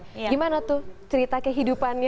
gimana tuh cerita kehidupannya